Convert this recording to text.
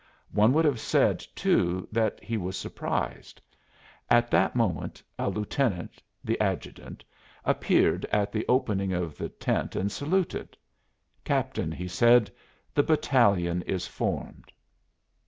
One would have said, too, that he was surprised. At that moment a lieutenant, the adjutant, appeared at the opening of the tent and saluted. "Captain," he said, "the battalion is formed."